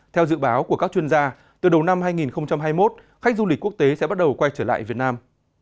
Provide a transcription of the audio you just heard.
theo dự báo của các chuyên gia từ đầu năm hai nghìn hai mươi một khách du lịch quốc tế sẽ bắt đầu quay trở lại việt nam